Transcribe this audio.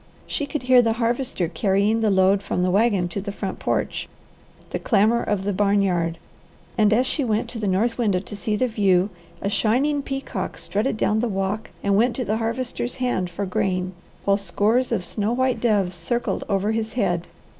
She could hear the Harvester carrying the load from the wagon to the front porch, the clamour of the barn yard; and as she went to the north window to see the view, a shining peacock strutted down the walk and went to the Harvester's hand for grain, while scores of snow white doves circled over his head.